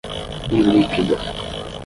ilíquida